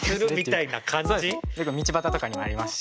結構道端とかにもありますし。